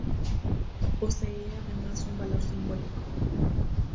Posee además un valor simbólico.